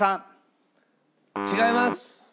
違います。